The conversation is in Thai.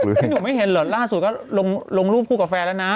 หนูไม่เห็นหรอล่าสุดก็ลงลูกพูดกับแฟนแล้วนะ